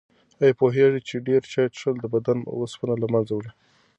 آیا پوهېږئ چې ډېر چای څښل د بدن اوسپنه له منځه وړي؟